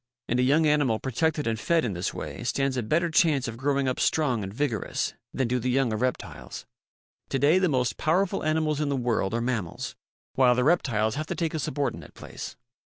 And a young animal protected and fed in this way stands a better chance of growing up strong and vigorous than do the young of reptiles. To day the most powerful animals in the world are mammals while the reptiles have to take a subor dinate place.